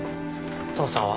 父さんは？